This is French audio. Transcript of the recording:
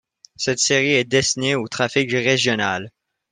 Cette série est destinée au trafic régional.